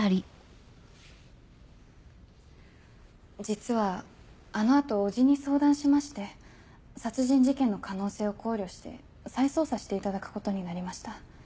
実はあの後叔父に相談しまして殺人事件の可能性を考慮して再捜査していただくことになりました。